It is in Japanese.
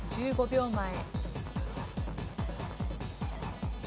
１０秒前。